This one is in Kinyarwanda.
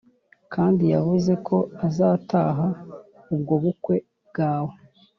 Kandiyavuzeko azataha ubwo bukwe bwawe